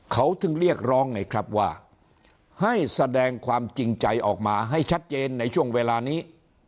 เขาถึงเรียกร้องไงครับว่าให้แสดงความจริงใจออกมาให้ชัดเจนในช่วงเวลานี้